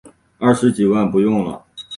二十几万不用了